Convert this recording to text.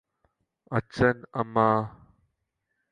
അച്ഛന് അമ്മാ